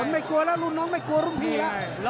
ไม่กลัวแล้วรุ่นน้องไม่กลัวรุ่นพี่แล้ว